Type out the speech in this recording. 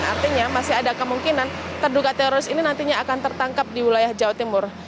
artinya masih ada kemungkinan terduga teroris ini nantinya akan tertangkap di wilayah jawa timur